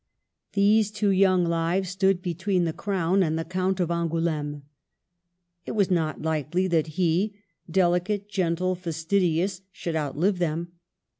These two young lives stood between the Crown and the Count of Angouleme. It was not Ukely that he, dehcate, gentle, fastidious, should out live them.